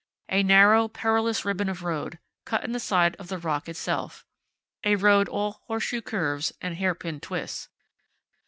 A narrow, perilous ribbon of road, cut in the side of the rock itself; a road all horseshoe curves and hairpin twists.